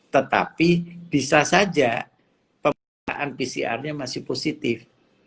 tetapi bisa saja pemeriksaan pcr nya masih positif